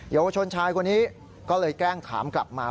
เยาวชนชายคนนี้ก็เลยแกล้งถามกลับมา